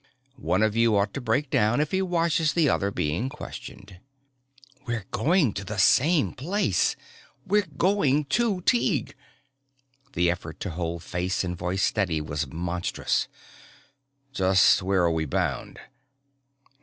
One of you ought to break down if he watches the other being questioned." We're going to the same place! We're going to Tighe! The effort to hold face and voice steady was monstrous. "Just where are we bound?"